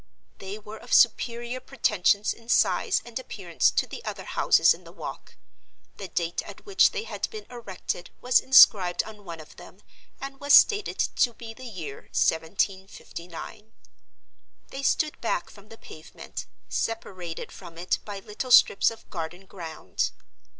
They were of superior pretensions in size and appearance to the other houses in the Walk: the date at which they had been erected was inscribed on one of them, and was stated to be the year 1759. They stood back from the pavement, separated from it by little strips of garden ground.